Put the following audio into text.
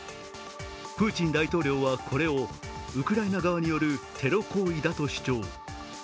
プーチン大統領は、これをウクライナ側によるテロ行為だと主張。